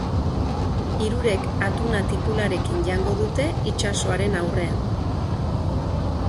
Hirurek atuna tipularekin jango dute itsasoaren aurrean.